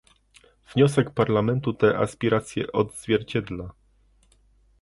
Wniosek Parlamentu te aspiracje odzwierciedla